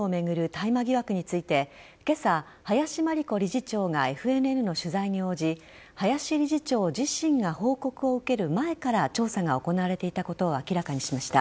大麻疑惑について今朝、林真理子理事長がＦＮＮの取材に応じ林理事長自身が報告を受ける前から調査が行われていたことを明らかにしました。